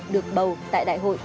được bầu tại đại hội